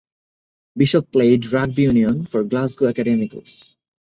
Bishop played rugby union for Glasgow Academicals.